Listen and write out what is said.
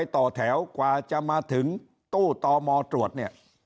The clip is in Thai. ต่อแถวกว่าจะมาถึงตู้ต๐๔ตรวจ